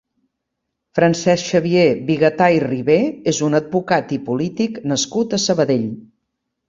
Francesc Xavier Bigatà i Ribé és un advocat i polític nascut a Sabadell.